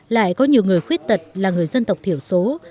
lại có nhiều người khuyết tật là người dân tộc thiểu số